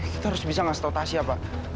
kita harus bisa ngasih tau tasya pak